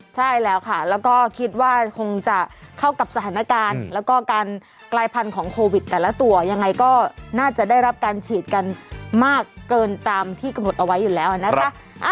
ใช่แล้วค่ะแล้วก็คิดว่าคงจะเข้ากับสถานการณ์แล้วก็การกลายพันธุ์ของโควิดแต่ละตัวยังไงก็น่าจะได้รับการฉีดกันมากเกินตามที่กำหนดเอาไว้อยู่แล้วนะคะ